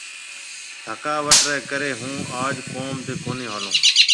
ٿڪاوٽ ريَ ڪريَ هُون اج ڪوم تي ڪونَي هالون۔